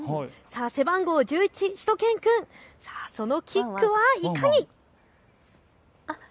背番号１１、しゅと犬くん、そのキックはいかに。